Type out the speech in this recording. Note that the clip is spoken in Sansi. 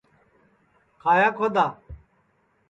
کھایا کھودؔا